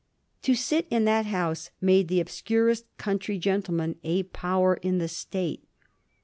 To sit in that House made the obscurest country gentleman a power in the State.